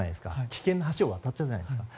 危険な橋を渡ったじゃないですか。